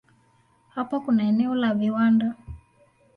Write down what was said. Hapa kuna eneo la viwanda.